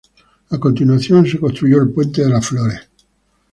A continuación, se construyó el puente de las Flores.